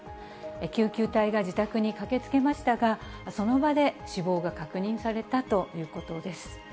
救急隊が自宅に駆けつけましたが、その場で死亡が確認されたということです。